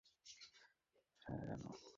গ্রামের বাইরে কিভাবে যেতে হয় জানো না?